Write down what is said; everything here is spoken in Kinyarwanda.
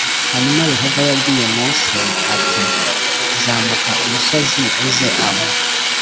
Hanyuma Yehova yabwiye Mose ati zamuka umusozi uze aho